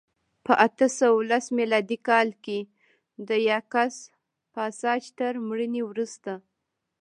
په اته سوه لس میلادي کال کې د یاکس پاساج تر مړینې وروسته